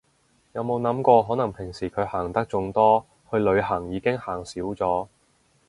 有冇諗過可能平時佢行得仲多，去旅行已經行少咗